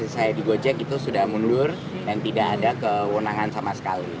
saya di gojek itu sudah mundur dan tidak ada kewenangan sama sekali